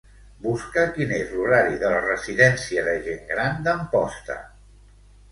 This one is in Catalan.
Busca quin és l'horari de la residència de gent gran d'Amposta.